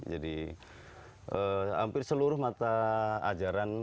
jadi hampir seluruh mata ajaran